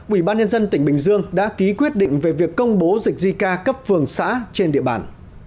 ủy ban nhân dân tỉnh bình dương đã ký quyết định về việc công bố dịch zika cấp vườn xã trên địa bàn